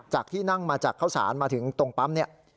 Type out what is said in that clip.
จากที่นั่งมาจากเข้าสารมาถึงตรงปั๊ม